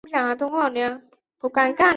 回家时经过菜市场